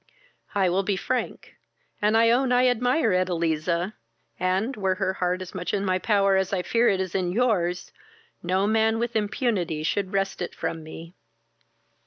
I will be frank, and own I admire Edeliza; and, were her heart as much in my power as I fear it is in your's, no man with impunity should wrest it from me."